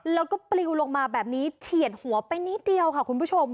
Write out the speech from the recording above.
แล้วก็ปลิวลงมาแบบนี้เฉียดหัวไปนิดเดียวค่ะคุณผู้ชม